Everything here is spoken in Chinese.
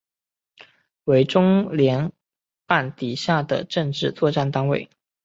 为中联办底下的政治作战单位。